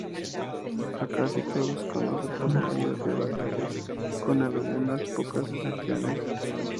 A casi todos conoce por medio de batallas, con algunas pocas excepciones.